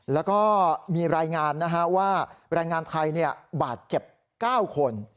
แล้วก็มีรายงานนะครับว่ารายงานไทยบาดเจ็บ๙คน